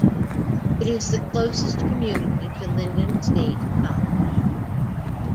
It is the closest community to Lyndon State College.